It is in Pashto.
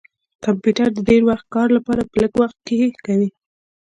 کمپیوټر د ډير وخت کار په لږ وخت کښې کوي